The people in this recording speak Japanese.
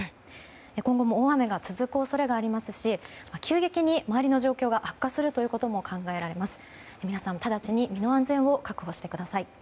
今後も大雨が続く恐れがありますし急激に周りの状況が悪化することも考えられます。